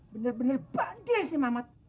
bener bener badir sih mama